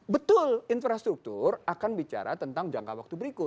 betul infrastruktur akan bicara tentang jangka waktu berikut